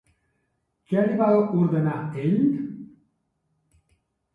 Què li va ordenar ell?